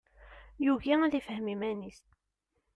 Yugi ad ifhem iman-is.